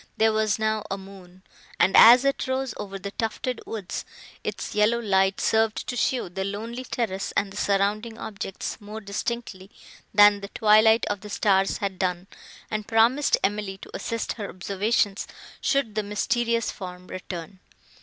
There was now a moon; and, as it rose over the tufted woods, its yellow light served to show the lonely terrace and the surrounding objects, more distinctly, than the twilight of the stars had done, and promised Emily to assist her observations, should the mysterious form return.